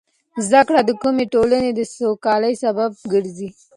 زده کړه د کومې ټولنې د سوکالۍ سبب ګرځي.